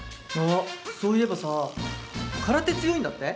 そういえば空手強いんだって？